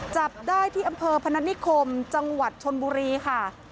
จับได้ที่อำเภอพนัฐนิคมจังหวัดชนบุรีค่ะ